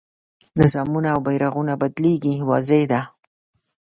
نظامونه او بیرغونه بدلېږي واضح ده.